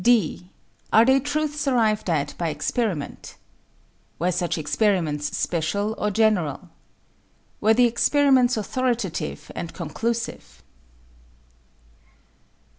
(d) Are they truths arrived at by experiment? Were such experiments special or general? Were the experiments authoritative and conclusive?